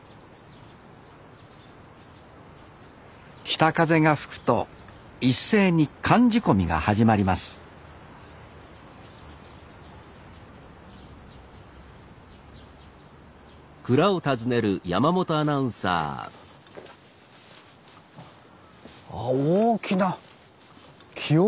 北風が吹くと一斉に寒仕込みが始まりますあ大きな木桶。